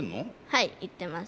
はい行ってます。